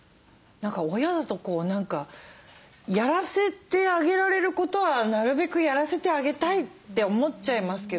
親だと何かやらせてあげられることはなるべくやらせてあげたいって思っちゃいますけど。